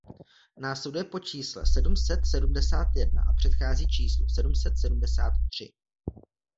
Následuje po čísle sedm set sedmdesát jedna a předchází číslu sedm set sedmdesát tři.